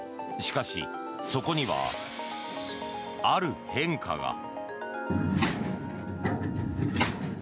しかし、そこにはある変化が。